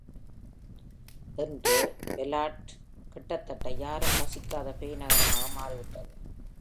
இன்று, Ballarat கிட்டத்தட்ட யாரும் வசிக்காத பேய் நகரமாக மாறிவிட்டது.